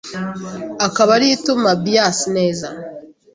akaba ariyo ituma bias neza